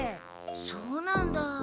そうなんだ。